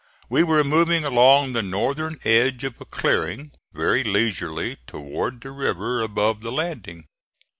We were moving along the northern edge of a clearing, very leisurely, toward the river above the landing.